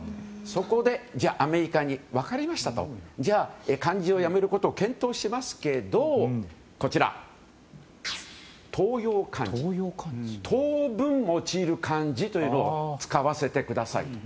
そこでアメリカに分かりましたとじゃあ、漢字をやめることを検討しますけど当用漢字当面用いる漢字というのを使わせてくださいと。